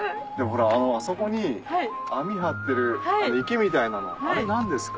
あそこに網張ってる池みたいなのあれ何ですか？